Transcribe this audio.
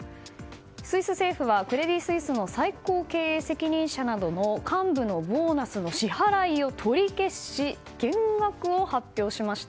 スイス政府はクレディ・スイスの最高経営責任者などの幹部のボーナスの支払いの取り消しや減額を発表しました。